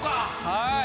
はい。